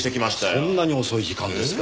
そんなに遅い時間ですか。